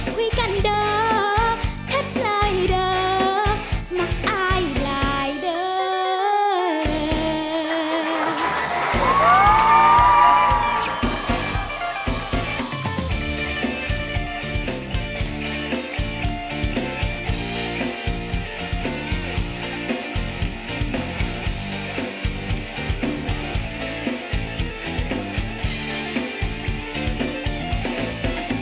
คุยกันเดิมทัดลายเดิมมักอายลายเดิม